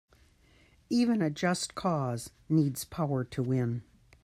Even a just cause needs power to win.